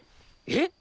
えっ！？